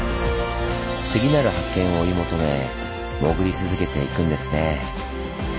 次なる発見を追い求め潜り続けていくんですねぇ。